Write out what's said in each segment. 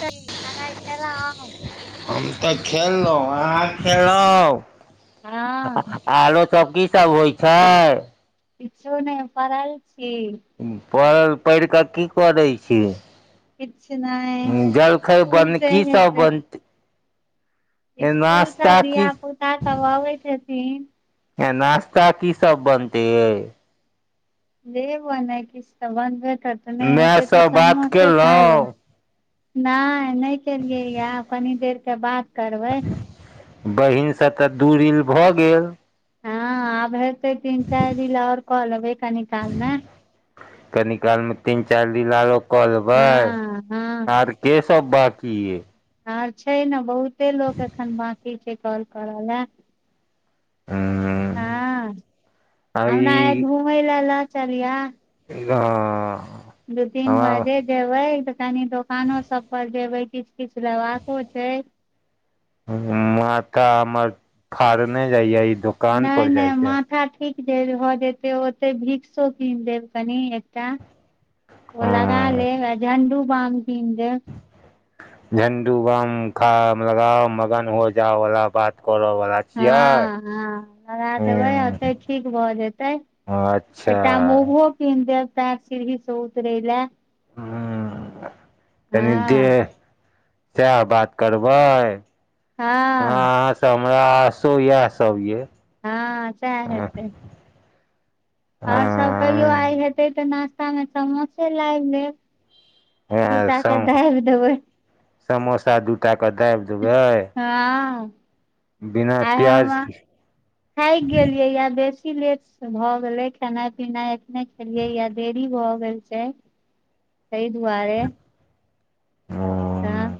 [unintelligible] खाना खेलोअ। हम तऽ खेललहुं अहाँ खेलउ हँ आरो सबौ की सब होइ छै किछु नहि पल छी पड़ल पेड़ कऽ की करय छी किछु नहि जलखै स्कूल बन से की सब बन स्कुल सा की धिय पुता सब अबैत हथिन- यऽ नाास्ता की सब बनते य लेबै नहि किछु तऽ बनबे करतऽ नहि हेतै मायसँ तऽ बात समोसे खा लेब। केलहुँ नहि नहि चलियैय कनी देरके बात करबै। बहिन सभ तऽ दूरील भऽ गेल ह आब हेतै तीन चारि दिन ओर कऽ लेबै कनी काल मे कनी काल मे तीन चारि दिन आरो कऽ लेबै हँ हँ आर क सभ बाकी आई आर छै ने बहुते लोक एखन बकी छै कॉल करल ह हू ह हमरा घुमय लए लऽ चलिह ज दू तीन बारे। जेबे तऽ कनी दोकानो सभ पर जेबे किछ किछ लेबाको छै। तऽ हमर फड़ने जाइय ई दोकान नहि पर जाइ नहि छै माथा। ठीक देब भऽ जेतै ओते भिक्सो कीन देब कनि एकटा। ओ लगा हँ लेगा झण्डू बाम पी दे- झंडु बम खा लगाव मगन हो जा वाला बात करऽ वाला ह छियै ह लगा देबै हूँ ओते ठीक भऽ जेतै अच्छा। ओहो सी सत रहे हा कऽ दे हँ सएह बात करबै। हँ हमरा आसो इएह सभ ये। ह सए हँ हेतै ओर सभ कहियो आइ हेते तऽ नास्ता मे समोसे लाबि लेब हा दूटा के सम दाबि देबै समोसा दूटा के दाबि देबै ह बिना आ हम प्याज के। खाय गेलियै यै बेसी कि लेट भए गेले खेनाइ पीनाइ एखने खेलियै या देरी भए गेल छै कहि दुआरे। ता। हूँ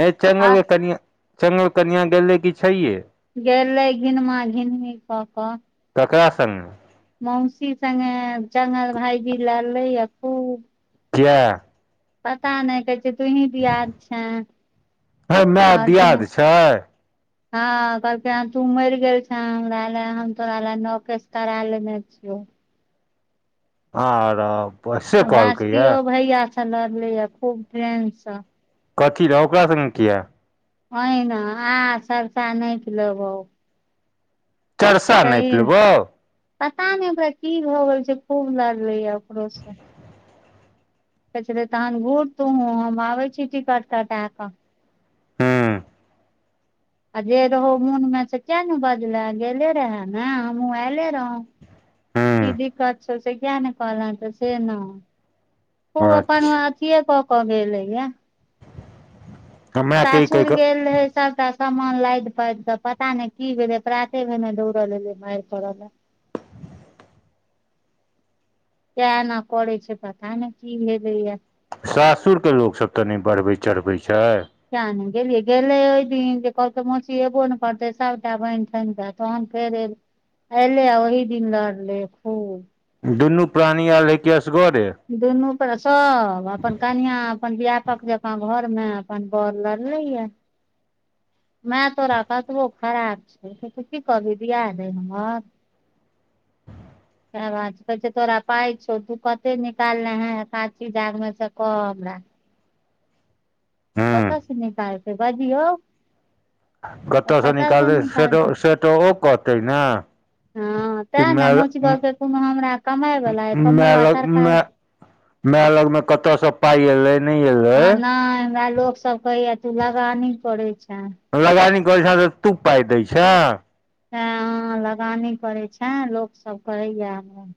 हे चल कन चगल कनिया गेले कि छैये गले घिन मे घिन कऽ ककरा संगे मौसी सागे जंगा भाई भी लऽ लैय खू [unintelligible] पता नहि कहै छै तूही दियाद छे हे माय ओर क [inaudible] दियाद छै हँ कहल कऽ तू मरि गेल छै हमरा ले हम तोरा ले नौ केस करा लेने अच्छा। आर वे कहलकै यए। लऽ य खूब ड्रैंडस कथी रहए ओकरा सगे किए ने आ सभसँ नहि कऽ लेबौ चरसा नापि सही ने। लेबो पता नहि ओकरा कि भऽ गेल छै खूब लागले या ओकरो से कहै तहन घूुर तूहँ हम आबै छी टिकट कटा कऽ हूं आ जे रहौ मोन में से किया नऽ बजले गेले रहे ने हमहुँ एऐले रहौ की हूं दिक्कत छौ से किया नऽ कलह तऽ छै ने उ अपन अच्छा अथियए कऽ क गेल लै यऽ हमरा कहि कहि सासुर कऽ गेल रहै तऽ सासुर सामान लादि पााद त पता नहि की भेलै प्राते भेने दौड़ल एलै मार पड़ल [inaudible] कना करै छै तऽ क नहि की भे दैय सासुरके लोक सब तऽ नहि बढ़बै चढ़बै छै कियान गेलियै गेलै ओहि दिन जे कहत मसी एबो ने करतै सटा बहिन स तहन फेर एऐले आ ओहि दिन लड़ले खूब दुनू प्राणी आल हे कि असगरे दुनू पर सब अपन कनिया अपन ब्यापक जकाँ घर मे अपन बर लड़ले या माय तोरा कतबो खराब छै से तऽ की कहबी [unintelligible] हमर कहे तोरा पाइ छौ तू कते निकालले हे एकासी हजार मे से कह हमरा हूं कतय छय निकालते र्बाजियो कतऽसँ निकालै से निकालतै तऽ से तऽ ओ कहतै ने हँ ते कि ने माय मोची लग ब हमरा कमााय वला है कमौआ सरकार माय लग में कते सब पााय एले हँ नहि हमरा लोक सब कहैया तू लगा नी करय छे लगान करय छैय तऽ तु पाय दे छय ते लगाने करै छैे लोक सब कहिय हमरा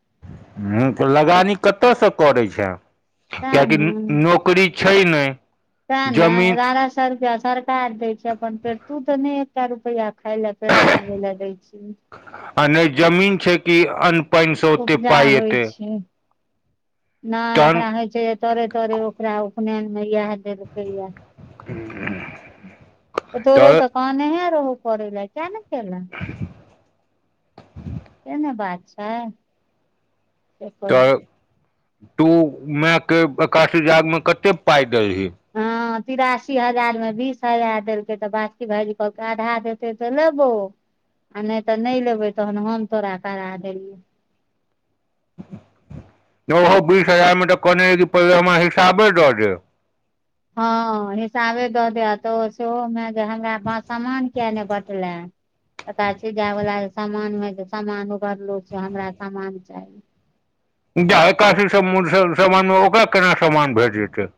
ह तऽ लगानी कतयसँ करै छै सैह कियकि नौकरी छै नहि तऽ ने जमीन रुपआ सरकार देय छै अपन पेड़ तू ते ने एकटा रुपा खााय ले पेट चलबे ले दय [unintelligible] आ नहि जमीन छै कि अन्न पानि से ओते उपजा पााय होइ एतै छै नहि तहन एकरा होइ छै तोरे तोरे ओकरा उपनयनमे इएह देलकै यए तऽ तोरो तऽ कान हे रहो करै लए क ने केल [unintelligible] सेनय बात छै तऽ हँ तू मायके एककशी जागमे कते पाइ दैलही हँ तिरासी हजार मे बीस हजार देलकै तऽ बासुकी भाईजी कहके आधा देते तऽ लेबो आ नहि तऽ नहि लेबे तहन हम तोरा करा देलिय ओहो बीस हजार मऽ तऽ कहने रहय कि पहले हमरा हिसाबे दऽ दे हँ हिसाबे दऽ द तऽ श मै हमरा समान किया ने बटले एकरा सीज वालला के समान ह समामान उभरलो छै हमरा समामान चाही एकशी सम समान मे ओकरा केना समान भेट जेतै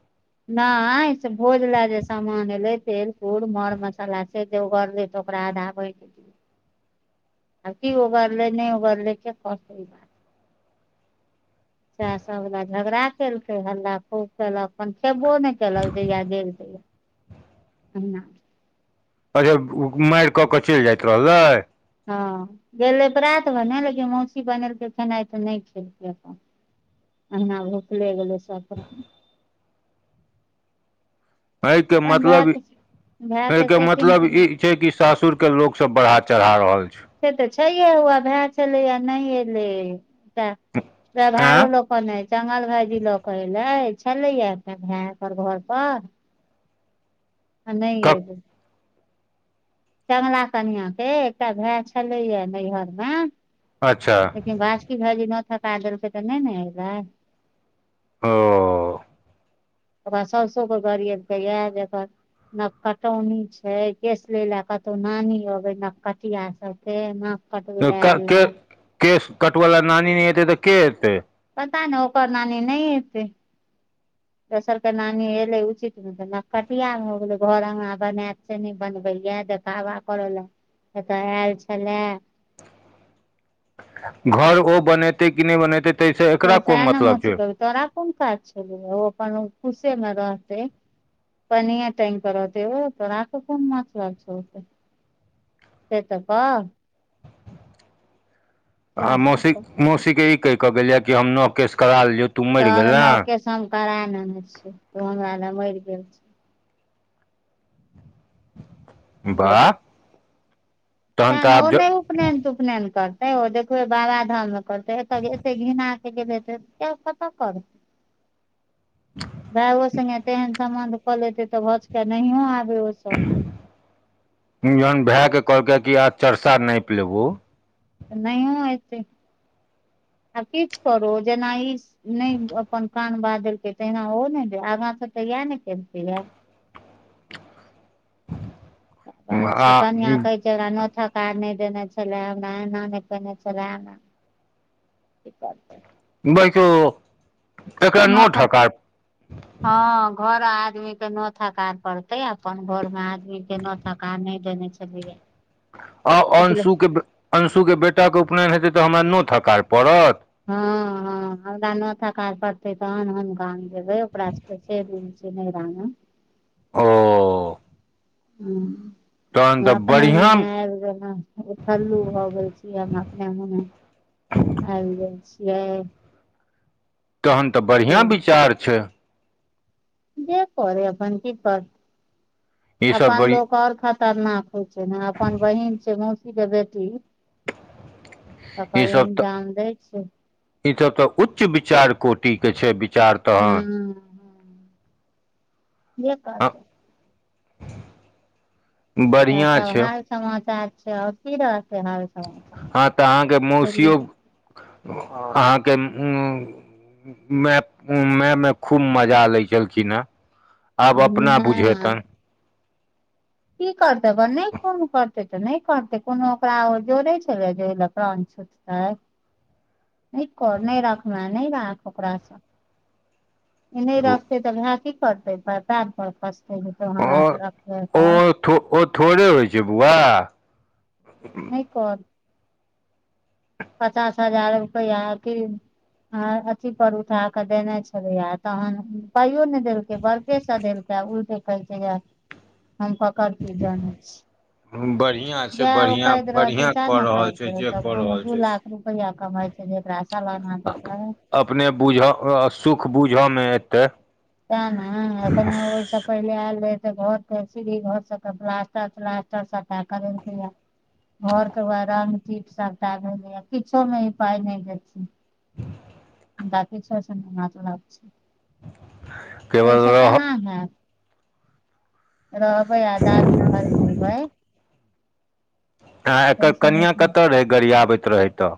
नहि से भोज ल जे सामान एले तेल कूर मर मसाला से जगरले ऽ ओकरा आध आब की ओगलले नहि उगललै केै बात सेय सब झगड़ा केलके हल्ला खूब केलक अपनन खेबो नहि केलक जहिया गेल [unintelligible] अच्छा मारि कऽ के चलि जाइत रहलै ह गेलैात भरने लेकिन मौसी बनेलकै खेनाई तऽ नहि खेलकै अपन अहिना भुखले गेलै सभ प्रण एहि के अपन भायके भायके सेटिंग मतलब ई केने छै कि सासुर के के लोकोग सभ बढ़ा चढ़ा रहल छै से तऽ छै हुआ भए छलै आ नहि एलै तऽ व्यहारो आँ लोकऽ कने चंगल भायजी लऽ के एले छलै अपना भाय पर घर पर हन क चमला कनिय के एकटा भाय छलैया नैहर मे। अच्छा। लेकिन बासु कि भाजी नै थका देलकै तऽ नहि ने एलै ओ। ओकरा ससो के गरीब के इएह जन नै कटौनी छै केस ले ले कतौ नानी अबे नकटिया सभ तऽ नहिपत बि क लऽ के केश कटवला नानी नहि हयतै तऽ के हेते पता नहि ओकर नानी नहि हत। दोसर के नानी एले उचित मे तऽ नकटिया मे हो गेले घर अगना बनात छै नहि बनबै तबा करऽ लए एतय आयल छल घर ओ बनेते कि नै बनेते तास से एकरा कोन सएह ने मतलब मौसी छै कहबै तोरा कोन काज छल ओ अपन खुशी मे रहते पनीर कोर हो दे हो तऽ आखो कोन मछ लाग छै ओत सेतप मौसी मौसी के ई कहि कऽ गेल यए कि हम नव केस करा लियौ सर नके सम करा लेने छै तऽ हमरा ले मरि गेल छै। बाह। तऽ ने ओ नहि उपनयन तऽ उपनयन करतै ओ देखबै बाबा धाम मे करतै एते घिना के गेलै त क पता कर भायो संगे तेहन सम्बन्ध कऽ लेते तऽ भचके नहियो आबे ओ सभ जहन भाय के कहलकै कि आ चर्चा नाप लेबो। तऽ नहि हेतै आ किछु करू जेना ई नहि अपन कान बा देलकै तहिना ओ नहि दे आगा से तऽ इएह ने केलकै यै बात आ छै तन या कऽ रा नो नहि देने छले हमरा एना नहि केने छले एकात बैकू एकरा नो कऽ ह घर आदमी के नाक पड़तै अपन घर मे आदमी के सकार नहि देने छलली। आ अंशू के अंशु के बेटाके उपनयन हेतै तऽ हमरा नहि थकार पड़त हा हा हमरा नथा काज पड़ते तहन हम गाम जेबै ओकरा सभके से रूल छै। ओ। तहन तऽ हा अपने बढ़िआँ मने आबि गेल ठल्लू भऽ गेल छी हम अपने मने। आइब गेल छियै तहन तऽ से बढ़िआँ विचार छै। जे पे अपन की कर ईसभ अपन बड़ी लोक आओर ख खतरनाक होइ छै ने अपन बहिन छै मौसी के बेटी तकड़ ईसभ एहन तऽ जान रहै छै। ईसभ तऽ उच्च विचार कोटिके छै विचार तहन हँ जे कहतै सैह बढ़िआँ सब छै हाल समाचार छै आओर की रहते हाल समाचार हँ तऽ अहाँके मौसियो नहि अहाँके उ मैाय मे खूब मजा लैत छलखिन हेँ आब अपना बुझेतनि की करते नहि कोनो करते तऽ नहि करते कोनो ओकरा जोड़े छल ला आँ नय कर नय राखमे नय राख ओकरासँ ई नहि रखते तऽ भाय की करते बाद पर कष्टेतो हमरा ओ से रखबे कर ओ थो ओ थोड़े होइ छै बौआ नय कोन पचास हजार रुपैआ आ की अथी पर उठा के देने छले आ तहन पाइयो ने देलकै बरके सधेलकै तऽ उ तऽ कहै छै हम पकड़ जानैत छी बढ़िआँ छै जएह बढ़िआँ कैत रहतै बढ़िआँ सएह कऽ ने रहल छै करते जे तब कऽ कोनो रहल दू छै लाख रुपैआ कमाइ छै जे ओकरा सलाना देतै अपने बुझ सुख बुझऽ मे एते तैं ने ए ओैसा पहिले आयल रहे ते घर के सीढ़ी घर सब प्लास्टर तलास्टर सबटा करेलकैये घर के बौआ रंग तीट सबटा भेले ये किछो मे ई पाय नहि देथिन। गाछी छै तस केवल रह केना हयत रहबै आ दाली फरमेबै आँ एकर तैसे कनिआँ हेतै कतय रहै गाड़ी आबैत रहय तऽ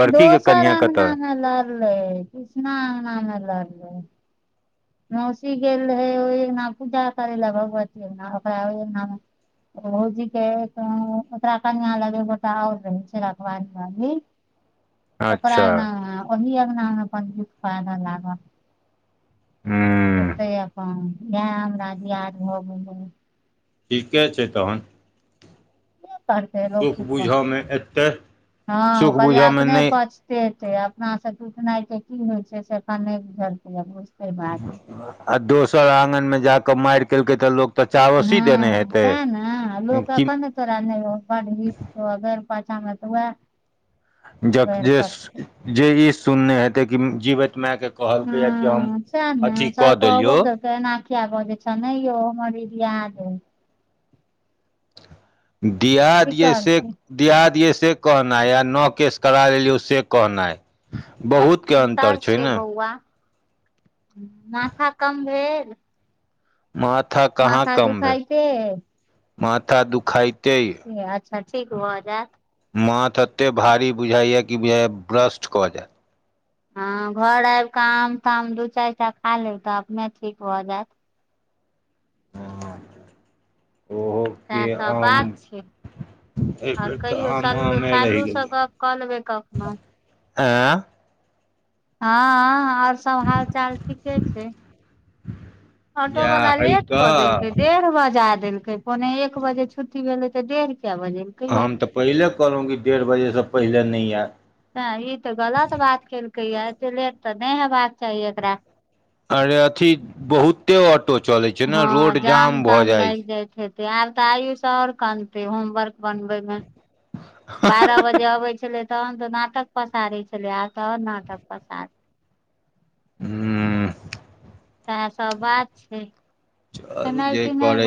बड़की के दोसर कनिया कतऽ अंगनामे लरलै कृष्ना अंगनामे ल रहललै मौसी गेल रहे ओहि न पूजा करै ल भगवतीे न ओकरा ओहि न रहुजी केख लग गोटा आओर रहै छै राखवाली वाली ओकरा अच्छा ओहि अंगना पडत तानऽ लागल हूँ ओते अपन इएह हमरा दियाद भऽ गेलै ठीके छै तहन करतै लोक सुख की कर बुझयमे एतै हँ सुख कहले बुझयमे अपने नहि प एते अपना से टुटनाइ के की होइ छै से एखन नय बुझलखिन हें बुझ आ दोसर आंगन मे जाकऽ मारि केलकै तऽ लोक तऽ चावसी देने हेतै कि बी [unintelligible] अगर पचामे तऽ वए जक जे जे ई सुनने हेतै कि जीवैत मैयके कहलकै या कि हम अथी कऽ देलियौ न एना किया बजै छै नय यौ हमर ई दियाद अय की दियाद यै से करतै दियाद य से कहनाइ आ न केस करा लेलियै से कहनाइ बहुत के अन्तर छै ने माथा कम भेल माथा कहाँ माथा कम भेल दुखाइते माथा दुखाायते य अच्छा ठीक भऽ जेएत माथ एते भारी बुझाइया कि बुझैय ब्रस्ट कऽ जेएत हँ घर आबि कऽ आम ताम दू चैटा खा लेब तऽ अपने ठीक भऽ जेएत जायत ओहो के सएह सब आम बात छै एहि आओर बेर तऽ कहियौ आम सल्लू आये लैस साल्लूसँ गेल ए गप कऽ लेबै कखनो हँ हॅं आऔर सब हाल चाल ठीके छै ऑटो वला इएह हइ लेट कऽ देलकै डेढ़ बजा देलकै पोने एक बजे छुट्टी भेलै तऽ डेढ़ किया बजे हम तऽ पहिले कहलहुँ कि डेढ़ बजेसँ पहिले नै एत ह ई तऽ गलत बात केलकै या ते लेत तऽ नै हेबाक चाही एकरा अरे अथी बहुते ऑटो चले छै ने हँ रोड जाम भ ताम जाय लागि छै आब तऽ आयुष आओर कनते होमवर्क बनबे मे बारह बजे जे अबे छले तहन तऽ नाटक पसारै छलै आब त आओर नाटक पसार हुॅं सेहे सब बात छै चलु खेनाइ जे पिनाइ करै भ